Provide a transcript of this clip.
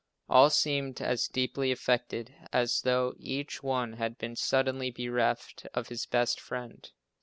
All seemed as deeply affected as though each one had been suddenly bereft of his best friend.